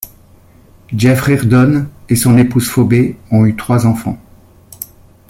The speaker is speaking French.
Jeff Reardon et son épouse Phoebe ont eu trois enfants.